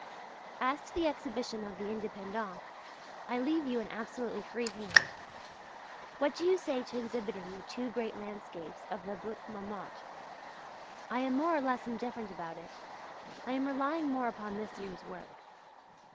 As to the Exhibition of the "Indépendents," I leave you an absolutely free hand. What do you say to exhibiting the two great landscapes of the Butte Montmartre? I am more or less indifferent about it; I am relying more upon this year's work.